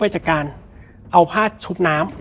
แล้วสักครั้งหนึ่งเขารู้สึกอึดอัดที่หน้าอก